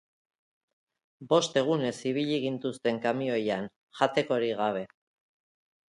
Bost egunez ibili gintuzten kamioian, jatekorik gabe.